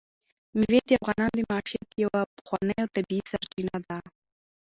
مېوې د افغانانو د معیشت یوه پخوانۍ او طبیعي سرچینه ده.